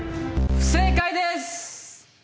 「不正解です！」